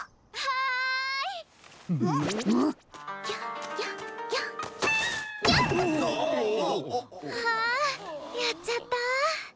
あんやっちゃった。